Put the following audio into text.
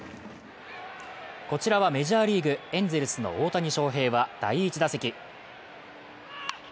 こちらはメジャーリーグ、エンゼルスの大谷翔平は第１打席。